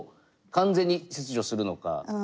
完全に切除するのか。